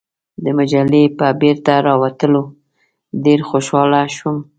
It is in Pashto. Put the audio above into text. د مجلې په بیرته راوتلو ډېر خوشاله شوم.